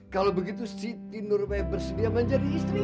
kalau begitu siti norbaya bersedia menjadi istriku